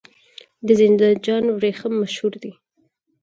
د زنده جان وریښم مشهور دي